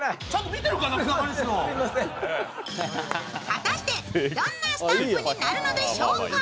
果たしてどんなスタンプになるのでしょうか？